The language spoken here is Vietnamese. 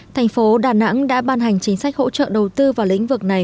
thành phố đà nẵng đã ban hành chính sách hỗ trợ đầu tư vào lĩnh vực này